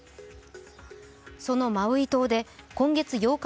そのマウイ島で今月８日